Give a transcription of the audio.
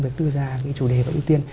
việc đưa ra cái chủ đề và ưu tiên